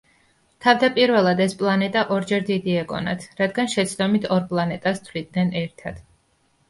თავდაპირველად ეს პლანეტა ორჯერ დიდი ეგონათ, რადგან შეცდომით ორ პლანეტას თვლიდნენ ერთად.